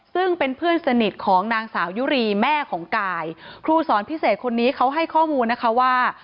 ซึ่งเป็นเพื่อนสนิทของนางสาวยุรีแม่ของกายครูสอนพิเศษคนนี้เขาให้ข้อมูลนะคะว่า